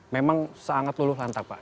memang sangat luluh lantak pak